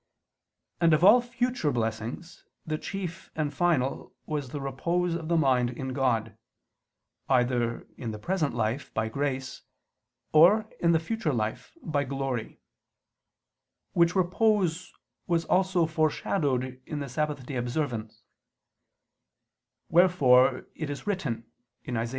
And of all future blessings, the chief and final was the repose of the mind in God, either, in the present life, by grace, or, in the future life, by glory; which repose was also foreshadowed in the Sabbath day observance: wherefore it is written (Isa.